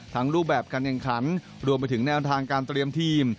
รูปแบบการแข่งขันรวมไปถึงแนวทางการเตรียมทีม